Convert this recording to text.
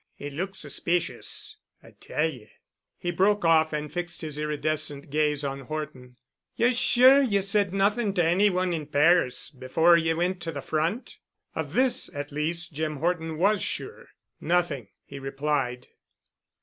It looks suspicious, I tell ye." He broke off and fixed his iridescent gaze on Horton. "Ye're sure ye said nothing to any one in Paris before ye went to the front?" Of this at least Jim Horton was sure. "Nothing," he replied.